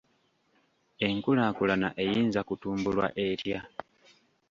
Enkulaakulana eyinza kutumbulwa etya?